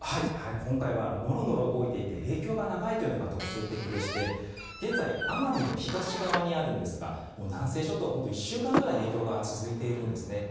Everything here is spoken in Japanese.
今回はノロノロ動いていて影響が長いというのが特徴的でして現在、奄美の東側にあるんですが南西諸島本当、１週間ぐらい影響が続いているんですね。